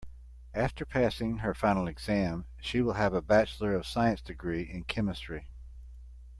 After passing her final exam she will have a bachelor of science degree in chemistry.